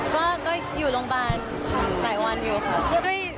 ก็อยู่โรงพยาบาลค่ะหลายวันอยู่ค่ะ